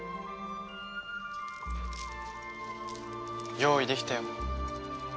用意できたよ。